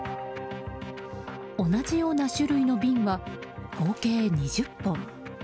同じような種類の瓶は合計２０本。